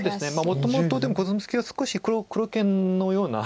もともとでもコスミツケは少し黒権のような。